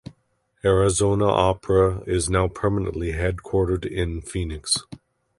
Arizona Opera is now permanently headquartered in Phoenix.